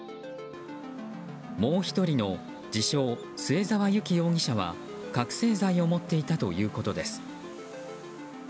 もう１人の自称・末沢有希容疑者は覚醒剤を持っていたということです。